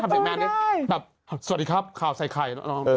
สวัสดีครับขาวไสขัย